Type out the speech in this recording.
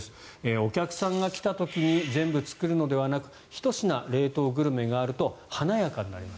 お客さんが来た時に全部作るのではなくひと品冷凍グルメがあると華やかになります。